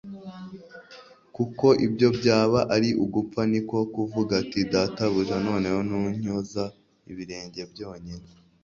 kuko ibyo byaba ari ugupfa. Niko kuvuga ati : "Databuja noneho ntunyoza ibirenge byonyine